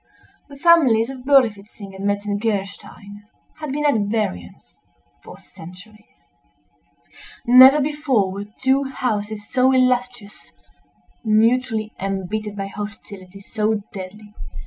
_" The families of Berlifitzing and Metzengerstein had been at variance for centuries. Never before were two houses so illustrious, mutually embittered by hostility so deadly.